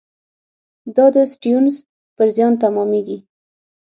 دا د سټیونز پر زیان تمامېږي.